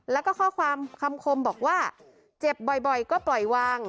แล้วก็ข้อความคำคมบอกว่าเจ็บบ่อยก็ปล่อยวาง